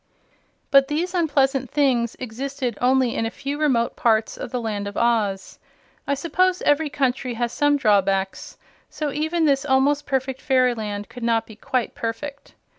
But these unpleasant things existed only in a few remote parts of the Land of Oz. I suppose every country has some drawbacks, so even this almost perfect fairyland could not be quite perfect.